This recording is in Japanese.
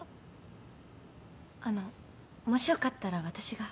あのもしよかったら私が。